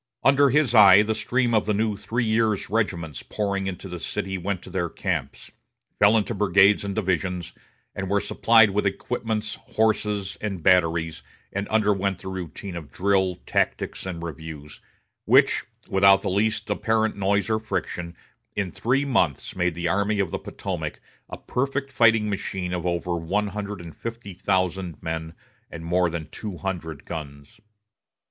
Under his eye the stream of the new three years' regiments pouring into the city went to their camps, fell into brigades and divisions, were supplied with equipments, horses, and batteries, and underwent the routine of drill, tactics, and reviews, which, without the least apparent noise or friction, in three months made the Army of the Potomac a perfect fighting machine of over one hundred and fifty thousand men and more than two hundred guns.